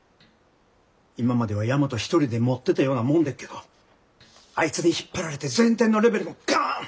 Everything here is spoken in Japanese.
今までは大和一人でもってたようなもんでっけどあいつに引っ張られて全体のレベルもガン上がりました。